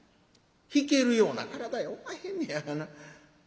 弾けるような体やおまへんねやがな。